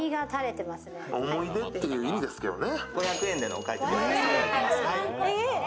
思い出っていう意味ですよね。